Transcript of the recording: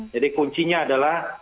jadi kuncinya adalah